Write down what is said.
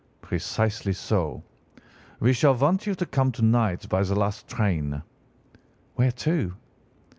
"'Precisely so. We shall want you to come to night by the last train.' "'Where to?